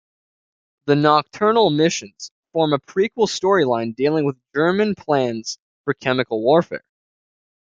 "The Nocturnal Missions" form a prequel storyline dealing with German plans for chemical warfare.